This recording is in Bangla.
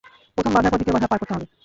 প্রথম বাধার পর দ্বিতীয় বাধা পার করতে হবে।